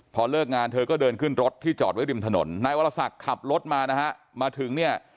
พอเลิกงานเธอก็เดินขึ้นรถที่จอดไว้ริมถนนนายวรศักดิ์ขับรถมานะฮะมาถึงเนี่ย